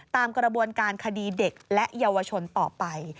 ตามกระบวนการคดีเด็กและเยาวชนต่อไป